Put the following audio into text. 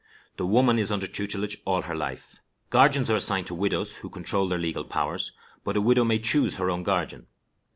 The woman is under tutelage all her life. Guardians are assigned to widows, who control their legal powers, but a widow may choose her own guardian.